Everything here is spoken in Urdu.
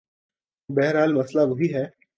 بہرحال مسئلہ وہی ہے۔